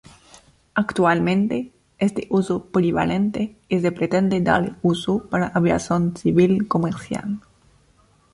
Actualmente es de uso polivalente y se pretende darle uso para aviación civil comercial.